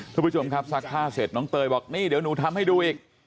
คุณผู้ชมครับซักผ้าเสร็จน้องเตยบอกนี่เดี๋ยวหนูทำให้ดูอีก